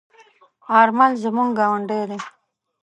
آرمل زموږ گاوندی دی.